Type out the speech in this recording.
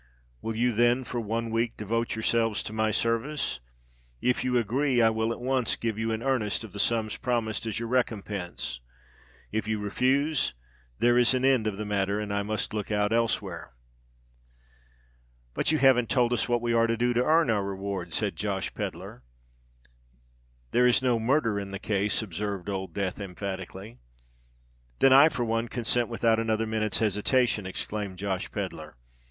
Will you, then, for one week devote yourselves to my service? If you agree, I will at once give you an earnest of the sums promised as your recompense: if you refuse, there is an end of the matter—and I must look out elsewhere." "But you haven't told us what we are to do to earn our reward," said Josh Pedler. "There is no murder in the case," observed Old Death, emphatically. "Then I for one consent without another minute's hesitation," exclaimed Josh Pedler.